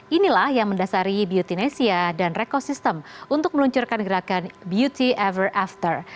inilah yang mendasari beautynesia dan rekosistem untuk meluncurkan gerakan beauty ever after